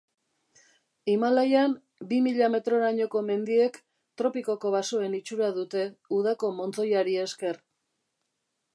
Himalaian, bi mila metrorainoko mendiek Tropikoko basoen itxura dute udako montzoiari esker.